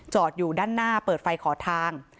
อยู่ด้านหน้าเปิดไฟขอทาง